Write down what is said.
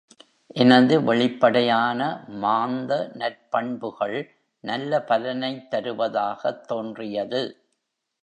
எனது வெளிப்படையான மாந்த நற்பண்புகள் நல்ல பலனைத் தருவதாகத் தோன்றியது.